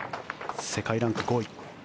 世界ランク５位。